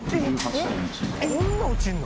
そんな落ちるの？